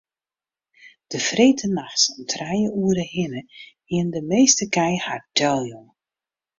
De freedtenachts om trije oere hiene de measte kij har deljûn.